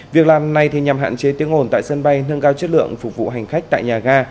việc làm này nhằm hạn chế tiếng ồn tại sân bay nâng cao chất lượng phục vụ hành khách tại nhà ga